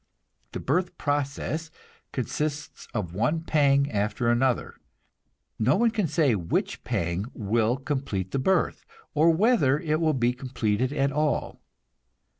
The birth process consists of one pang after another, but no one can say which pang will complete the birth, or whether it will be completed at all.